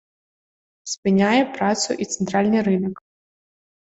Спыняе працу і цэнтральны рынак.